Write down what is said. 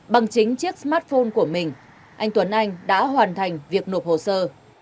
bằng chính chiếc smartphone của mình anh tuấn anh đã hoàn thành việc nộp hồ sơ